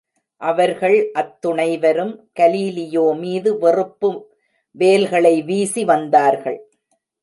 அவர்கள் அத்துணைவரும் கலீலியோ மீது வெறுப்பு வேல்களை வீசி வந்தார்கள்.